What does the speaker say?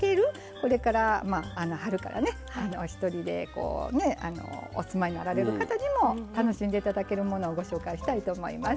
これからまあ春からねおひとりでこうねお住まいになられる方にも楽しんで頂けるものをご紹介したいと思います。